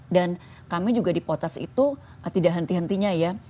dan kami juga di potas itu tidak henti hentinya ya